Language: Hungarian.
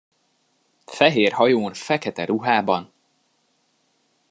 Fehér hajón fekete ruhában!